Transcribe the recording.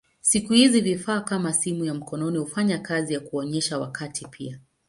Siku hizi vifaa kama simu ya mkononi hufanya kazi ya kuonyesha wakati pia.